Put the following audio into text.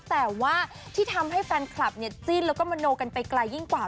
แต่ว่าที่ทำให้แฟนคลับเป็นจิ้นและมะโนไปไกลยิ่งกว่า